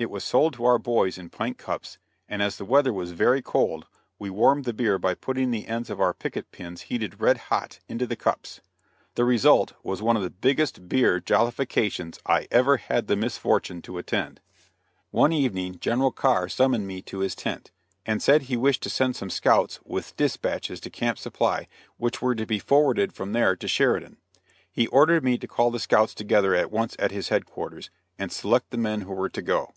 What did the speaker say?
It was sold to our boys in pint cups, and as the weather was very cold we warmed the beer by putting the ends of our picket pins heated red hot into the cups. The result was one of the biggest beer jollifications I ever had the misfortune to attend. One evening General Carr summoned me to his tent, and said he wished to send some scouts with dispatches to Camp Supply, which were to be forwarded from there to Sheridan. He ordered me to call the scouts together at once at his headquarters, and select the men who were to go.